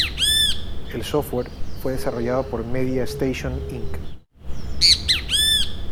El software fue desarrollado por Media Station Inc.